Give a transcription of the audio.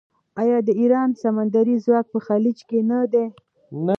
آیا د ایران سمندري ځواک په خلیج کې نه دی؟